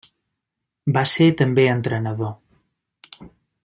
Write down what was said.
Va ser també entrenador.